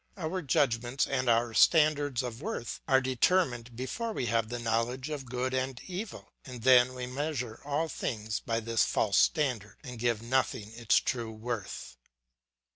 Our judgments and our standards of worth are determined before we have the knowledge of good and evil; and then we measure all things by this false standard, and give nothing its true worth.